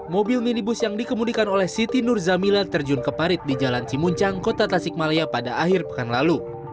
mobil minibus yang dikemudikan oleh siti nur zamila terjun ke parit di jalan cimuncang kota tasikmalaya pada akhir pekan lalu